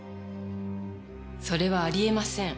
それはあり得ません。